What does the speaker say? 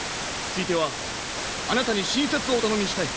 ついてはあなたに診察をお頼みしたい。